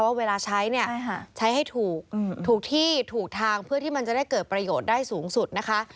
เวลาใช้เนี่ยใช้ให้ถูกถูกที่ถูกทางเพื่อที่มันจะได้เกิดประโยชน์ได้สูงสุดนะคะ